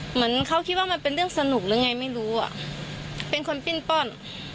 เหมือนเขาคิดว่ามันเป็นเรื่องสนุกหรือไงไม่รู้อ่ะเป็นคนปิ้นป้อน